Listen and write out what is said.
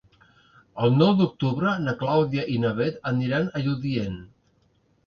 El nou d'octubre na Clàudia i na Bet aniran a Lludient.